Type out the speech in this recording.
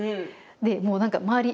でもう何か周り